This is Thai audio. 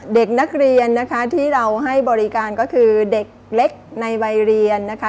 เด็กนักเรียนนะคะที่เราให้บริการก็คือเด็กเล็กในวัยเรียนนะคะ